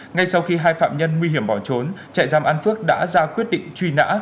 ngay sau khi hai phạm nhân nguy hiểm bỏ trốn trại giam an phước đã ra quyết định truy nã